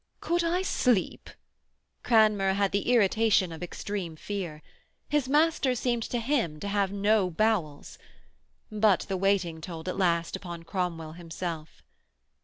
'Could I sleep?' Cranmer had the irritation of extreme fear. His master seemed to him to have no bowels. But the waiting told at last upon Cromwell himself.